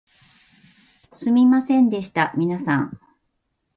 すみませんでした皆さん